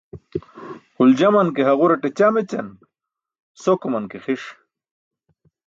Huljaman ke haġuraṭe ćam ećaan, sokuman ke xi̇ṣ.